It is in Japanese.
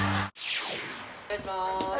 お願いします。